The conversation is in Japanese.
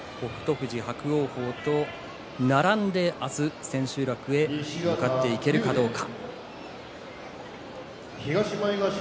富士、伯桜鵬と並んで明日千秋楽へ向かっていけるかどうか。